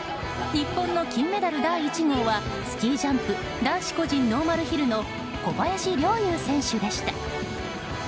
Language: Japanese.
日本の金メダル第１号はスキージャンプ男子個人ノーマルヒルの小林陵侑選手でした。